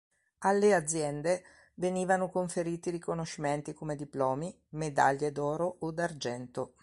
Alle aziende venivano conferiti riconoscimenti come diplomi, medaglie d'oro o d'argento.